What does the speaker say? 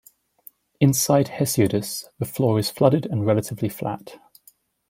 Inside Hesiodus, the floor is flooded and relatively flat.